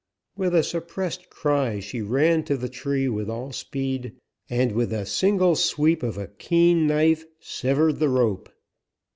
With a suppressed cry she ran to the tree with all speed, and with a single sweep of a keen knife severed the rope.